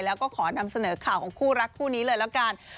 แล้วก็ขอนำเสนอข่าวของคู่กันเลยแล้วกัน